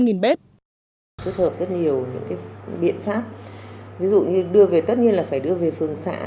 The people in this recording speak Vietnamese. nhiều biện pháp ví dụ như đưa về tất nhiên là phải đưa về phương xã